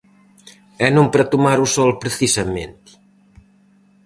E non para tomar o sol precisamente.